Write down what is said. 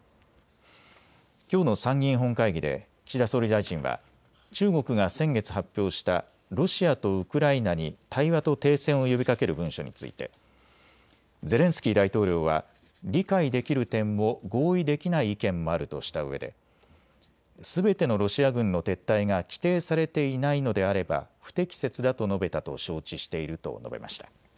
きょうの参議院本会議で岸田総理大臣は中国が先月発表したロシアとウクライナに対話と停戦を呼びかける文書についてゼレンスキー大統領は理解できる点も合意できない意見もあるとしたうえですべてのロシア軍の撤退が規定されていないのであれば不適切だと述べたと承知していると述べました。